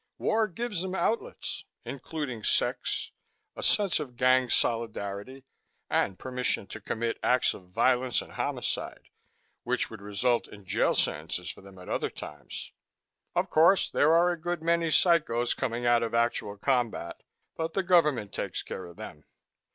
War gives them outlets including sex, a sense of gang solidarity, and permission to commit acts of violence and homicide which would result in jail sentences for them at other times. Of course, there are a good many psychos coming out of actual combat but the government takes care of them.